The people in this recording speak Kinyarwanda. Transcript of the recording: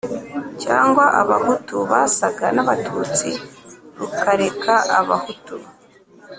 cyangwa abahutu basaga n'abatutsi rukareka abahutu